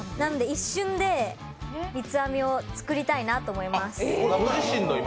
一瞬で、三つ編みを作りたいなと思います。